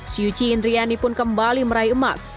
syuci indriani pun kembali meraih emas